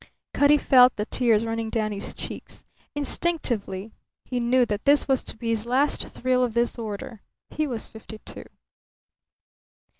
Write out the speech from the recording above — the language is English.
Cutty felt the tears running down his cheeks. Instinctively he knew that this was to be his last thrill of this order. He was fifty two.